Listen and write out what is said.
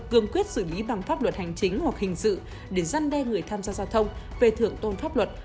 cường quyết xử lý bằng pháp luật hành chính hoặc hình dự để dăn đe người tham gia giao thông về thưởng tôn pháp luật